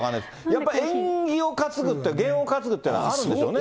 やっぱり縁起を担ぐって、げんを担ぐっていうのはあるんでしょうね。